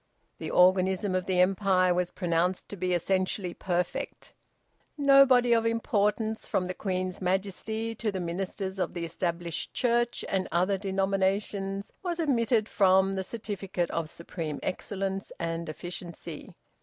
The organism of the Empire was pronounced to be essentially perfect. Nobody of importance, from the Queen's Majesty to the `ministers of the Established Church and other denominations,' was omitted from the certificate of supreme excellence and efficiency.